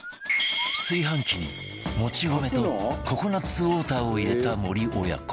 炊飯器にもち米とココナッツウォーターを入れた森親子